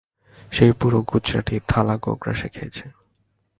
সে পুরো গুজরাটি থালি গোগ্রাসে খেয়েছে।